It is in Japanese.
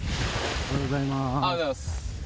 おはようございます。